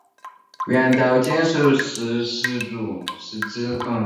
田道间守是之始祖。